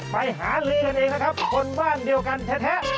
ไปหาลือกันเองนะครับคนบ้านเดียวกันแท้